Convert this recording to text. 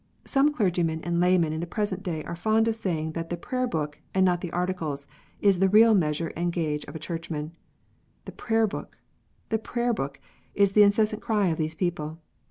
Some clergymen and laymen in the present day are fond of saying that the Prayer book, and not the Articles, is the real measure and gauge of a Churchman. " The Prayer book ! the Prayer book!" is the incessant cry of these people.